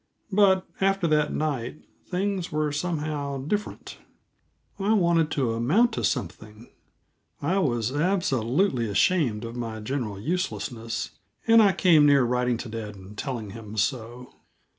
But after that night, things were somehow different. I wanted to amount to something; I was absolutely ashamed of my general uselessness, and I came near writing to dad and telling him so.